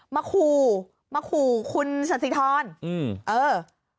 มาคู่มาคู่คุณสันสิทธรเออ